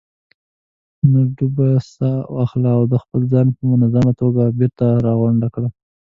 نو ډوبه ساه واخلئ او خپل ځان په منظمه توګه بېرته راغونډ کړئ.